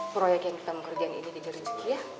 proyek yang kita mau kerjain ini dengan rezeki ya